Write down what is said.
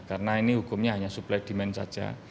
karena ini hukumnya hanya supply demand saja